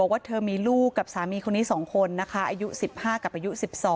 ว่าเธอมีลูกกับสามีคนนี้๒คนนะคะอายุ๑๕กับอายุ๑๒